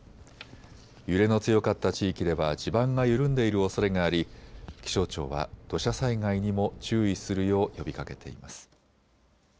揺れの強かった地域では地盤が緩んでいるおそれがあり気象庁は土砂災害にも注意するよう呼びかけています。